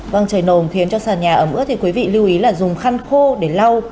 văng trời nồm khiến cho sàn nhà ẩm ướt thì quý vị lưu ý là dùng khăn khô để lau